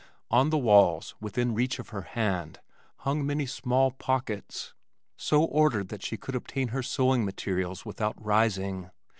On the walls within reach of her hand hung many small pockets, so ordered that she could obtain her sewing materials without rising.